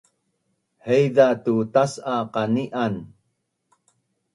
Haiza tu tas’a qani’an